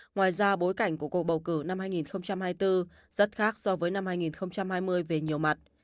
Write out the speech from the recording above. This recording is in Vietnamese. ngoài ra bối cảnh của cuộc bầu cử năm hai nghìn hai mươi bốn rất khác so với năm hai nghìn hai mươi về nhiều mặt